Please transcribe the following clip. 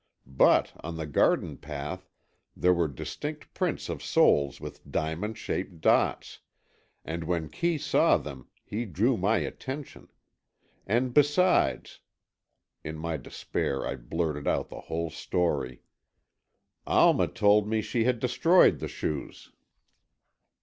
But, on the garden path there were distinct prints of soles with diamond shaped dots, and when Kee saw them, he drew my attention. And besides," in my despair I blurted out the whole story, "Alma told me she had destroyed the shoes."